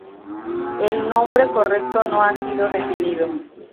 El nombre correcto no ha sido definido.